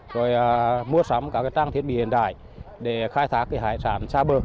rồi mua sắm các trang thiết bị hiện đại để khai thác hải sản xa bờ